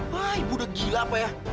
wah ibu degil apa ya